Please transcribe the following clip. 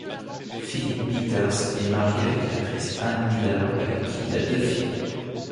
Filip Peeters est marié avec l'actrice An Miller avec qui il a deux filles.